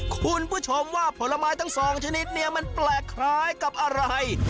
คุณผู้ชมว่าผลไม้ทั้งสองชนิดเนี่ยมันแปลกคล้ายกับอะไร